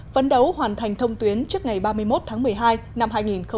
vấn đấu hoàn thành thông tuyến trước ngày ba mươi một tháng một mươi hai năm hai nghìn hai mươi